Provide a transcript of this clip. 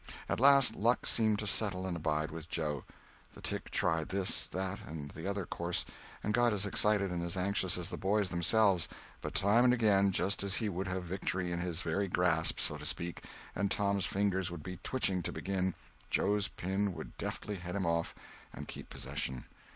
At last luck seemed to settle and abide with Joe. The tick tried this, that, and the other course, and got as excited and as anxious as the boys themselves, but time and again just as he would have victory in his very grasp, so to speak, and Tom's fingers would be twitching to begin, Joe's pin would deftly head him off, and keep possession.